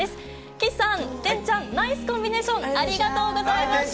岸さん、てんちゃん、ナイスコンビネーション、ありがとうございました。